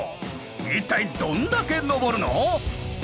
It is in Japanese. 一体どんだけ上るの⁉